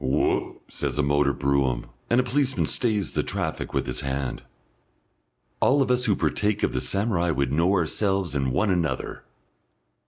(Whup! says a motor brougham, and a policeman stays the traffic with his hand.) All of us who partake of the samurai would know ourselves and one another!